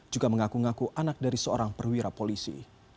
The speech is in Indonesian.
juga mengaku ngaku anak dari seorang perwira polisi